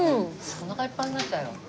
お腹いっぱいになっちゃうよ。